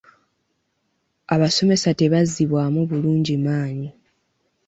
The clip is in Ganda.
Abasomesa tebazzibwamu bulungi maanyi.